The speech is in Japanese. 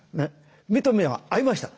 目と目は合いました。